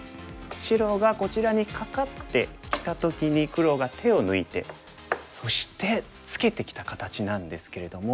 白がこちらにカカってきた時に黒が手を抜いてそしてツケてきた形なんですけれども。